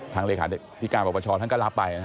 ทางเลยค่ะพิการประปชท่านก็รับไป